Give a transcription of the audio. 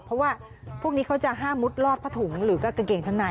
เพราะว่าพวกนี้เขาจะห้ามมุดลอดผ้าถุงหรือก็กางเกงชั้นใน